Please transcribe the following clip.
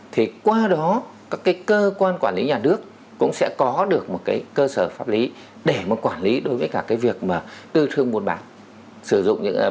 thì qua đó các cái cơ quan quản lý nhà nước cũng sẽ có được một cái cơ sở pháp lý để mà quản lý đối với cả cái việc mà tư thương muôn bản